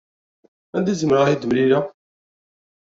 Anda i zemreɣ ad t-mlileɣ?